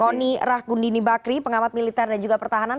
connie rah gundini bakri pengamat militer dan juga pertahanan